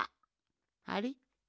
あれ？